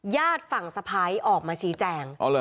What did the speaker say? ญาติฝั่งสะพ้ายออกมาชี้แจง